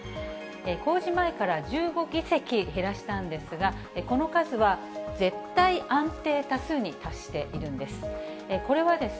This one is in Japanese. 公示前から１５議席減らしたんですが、この数は絶対安定多数に達しているんです。